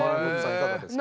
いかがですか？